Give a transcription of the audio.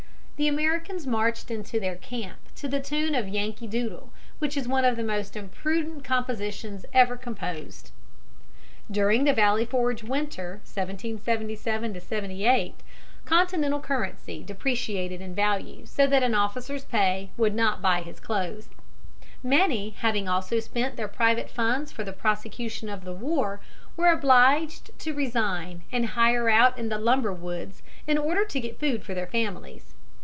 The Americans marched into their camp to the tune of Yankee Doodle, which is one of the most impudent compositions ever composed. [Illustration: KNOCKING A STYLOGRAPHIC PEN OUT OF BURGOYNE'S HAND.] During the Valley Forge winter (1777 78) Continental currency depreciated in value so that an officer's pay would not buy his clothes. Many, having also spent their private funds for the prosecution of the war, were obliged to resign and hire out in the lumber woods in order to get food for their families.